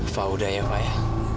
faham udah ya pak ya